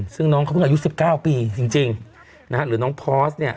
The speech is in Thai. ซึ่งน้องเขาเพิ่งอายุ๑๙ปีจริงนะฮะหรือน้องพอร์สเนี่ย